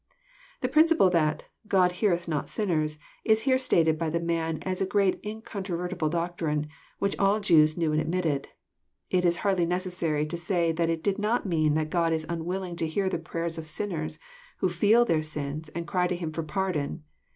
The principle that " God heareth not sinners " is here stated by the man as a great incontrovertible doctrine, which all Jews knew and admitted. It is hardly necessary to say that it did not mean that God is unwilling to hear the prayers of sinners who feel their sins, and cry to Him for pardon.